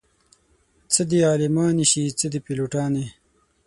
څه دې عالمانې شي څه دې پيلوټانې